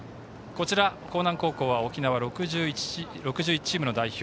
興南高校は沖縄６１チームの代表。